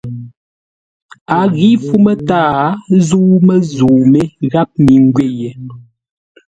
A ghǐ fú mətǎa zə́u məzə̂u mé gháp mi ngwě yé.